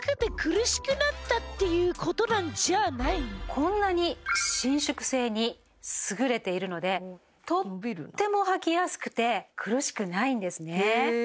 こんなに伸縮性にすぐれているのでとってもはきやすくて苦しくないんですね